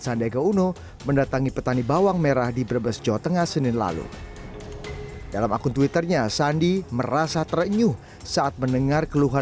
sandiaga uno mendatangkan kembali ke kota sandiwara uno dan menangkap orang orang yang berpengalaman